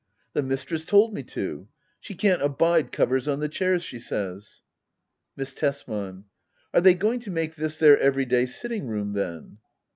The mistress told me to. She can't abide covers on the chairs, she says. Miss Tesman. Are they going to make this their everyday sitting room then